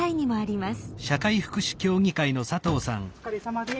お疲れさまです。